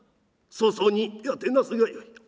早々に手当てなすがよい」。